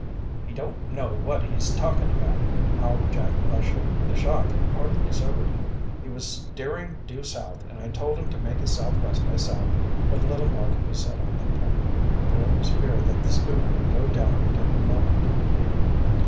"He don't know what he's talking about!" howled Jack Lesher. The shock had partly sobered him. "He was steering due south, and I told him to make it southwest by south." But little more could be said on the point, for it was feared that the schooner would go down at any moment.